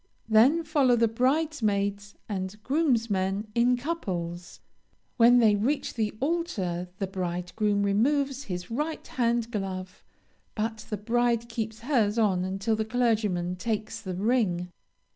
Then follow the bridesmaids and groomsmen in couples. When they reach the altar the bridegroom removes his right hand glove, but the bride keeps hers on until the clergyman takes the ring.